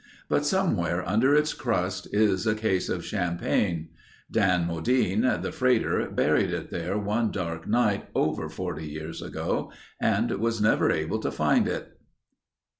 But somewhere under its crust is a case of champagne. Dan Modine, the freighter, buried it there one dark night over 40 years ago and was never able to find it.